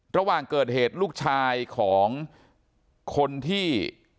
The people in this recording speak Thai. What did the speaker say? ระหว่างเกิดเหตุลูกชายของคนที่